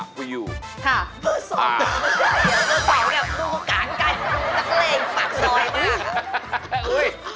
ค่ะเบอร์๒เดี๋ยวเบอร์๒เนี่ยมึงก็กางกันนักเลงฝักซอยมาก